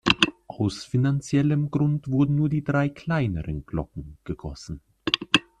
Aus finanziellem Grund wurden nur die drei kleineren Glocken gegossen.